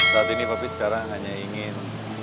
saat ini pak pi sekarang hanya ingin